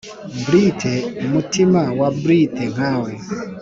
brute umutima wa brute nkawe.